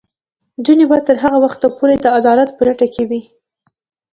نجونې به تر هغه وخته پورې د عدالت په لټه کې وي.